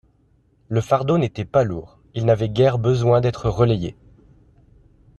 Le fardeau n’était pas lourd, ils n’avaient guère besoin d’être relayés.